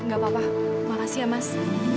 gak apa apa makasih ya mas